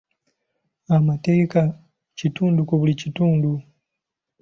Amateeka kitundu ku buli kitundu.